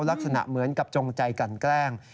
ลักษณะเหมือนกับจงใจกันแกล้ง